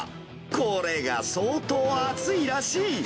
これが相当暑いらしい。